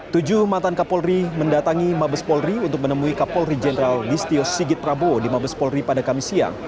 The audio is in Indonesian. tujuh mantan kapolri mendatangi mabes polri untuk menemui kapolri jenderal listio sigit prabowo di mabes polri pada kamis siang